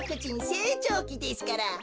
せいちょうきですから。